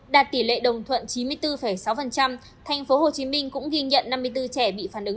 đạt tỷ lệ đồng thuận chín mươi bốn sáu tp hcm cũng ghi nhận năm mươi bốn trẻ bị phản ứng